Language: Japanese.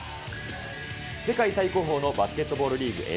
世界最高峰もバスケットボールリーグ、ＮＢＡ。